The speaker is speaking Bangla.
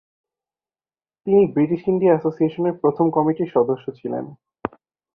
তিনি ব্রিটিশ ইন্ডিয়া অ্যাসোসিয়েশনের প্রথম কমিটিরও সদস্য ছিলেন।